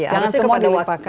jangan semua dilipatkan